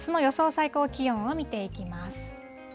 最高気温を見ていきます。